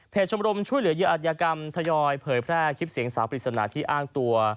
ชมรมช่วยเหลือเหยื่ออัตยกรรมทยอยเผยแพร่คลิปเสียงสาวปริศนาที่อ้างตัว